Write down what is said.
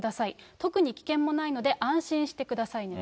特に危険もないので安心してくださいねと。